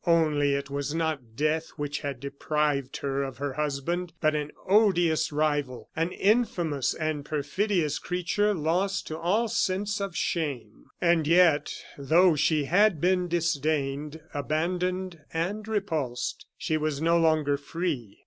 Only it was not death which had deprived her of her husband, but an odious rival an infamous and perfidious creature lost to all sense of shame. And yet, though she had been disdained, abandoned, and repulsed, she was no longer free.